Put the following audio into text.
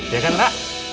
iya kan rara